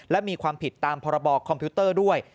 และมีความผิดตามพรบคอมพิวเตอร์ด้วย